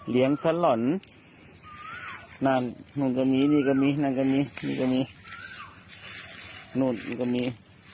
สล่อนนั่นนู่นก็มีนี่ก็มีนั่นก็มีนี่ก็มีนู่นนี่ก็มี